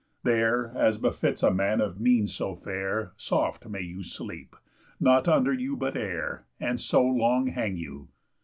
There, as befits a man of means so fair, Soft may you sleep, nought under you but air; And so long hang you."